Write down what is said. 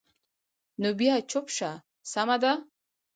نو بیا چوپ شه، سمه ده.